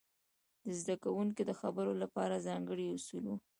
د زده کوونکو د خبرو لپاره ځانګړي اصول وو.